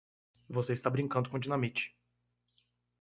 você está brincando com dinamite!